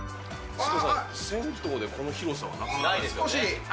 銭湯でこの広さはなかなかなないですかね。